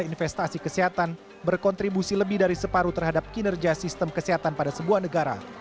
investasi kesehatan berkontribusi lebih dari separuh terhadap kinerja sistem kesehatan pada sebuah negara